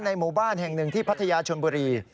หมู่บ้านแห่งหนึ่งที่พัทยาชนบุรี